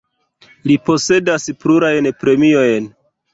Li posedas plurajn premiojn.